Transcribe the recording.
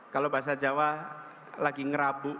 kalau bahasa jawa lagi ngerabu